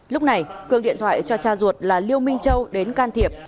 lúc này cường điện thoại cho cha ruột là liêu minh châu đến can thiệp